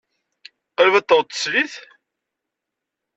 Qrib ad d-taweḍ teslit?